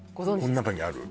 この中にある？